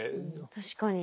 確かに。